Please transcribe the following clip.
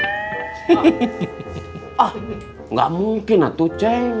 ah nggak mungkin lah tuh ceng